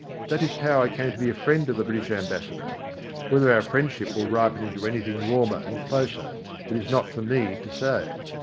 That is how I came to be a friend of the British Ambassador. Whether our friendship will ripen into anything warmer and closer, it is not for me to say.